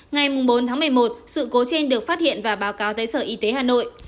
ngày bốn một mươi một sự cố trên được phát hiện và báo cáo tới sở y tế hà nội